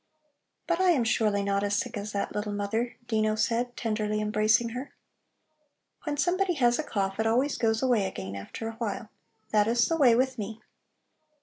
"But I am surely not as sick as that, little mother," Dino said, tenderly embracing her. "When somebody has a cough it always goes away again after a while. That is the way with me.